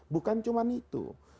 bukan cuma itu